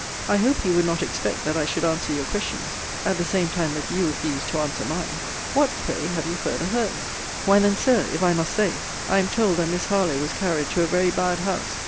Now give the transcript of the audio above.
I hope you would not expect that I should answer your questions, at the same time that you refused to answer mine. What, pray, have you farther heard? Why then, Sir, if I must say, I am told, that Miss Harlowe was carried to a very bad house.